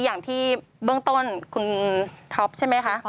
อย่างที่เบื้องต้นคุณท็อปใช่ไหมคะ